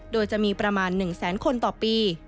โดยจะมีประมาณ๑แสนคนต่อปี